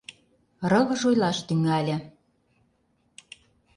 Рывыж ойлаш тӱҥале: